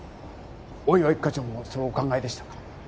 大岩一課長もそうお考えでしたか？